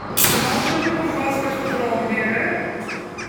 — Czy można cię pogłaskać po trąbie?